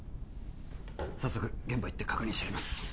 早速現場行って確認してきます